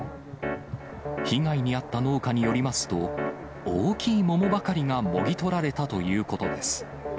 被害に遭った農家によりますと、大きい桃ばかりがもぎ取られたということです。